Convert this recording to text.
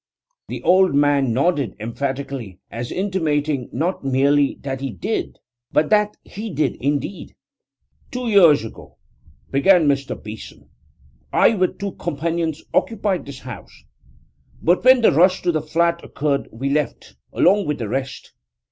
The old man nodded emphatically, as intimating not merely that he did, but that he did indeed. 'Two years ago,' began Mr. Beeson, 'I, with two companions, occupied this house; but when the rush to the Flat occurred we left, along with the rest.